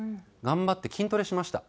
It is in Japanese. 頑張って筋トレしました。